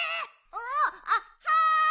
あっはい！